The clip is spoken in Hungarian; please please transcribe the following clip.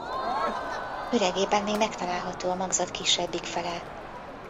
Üregében még megtalálható a magzat kisebbik fele.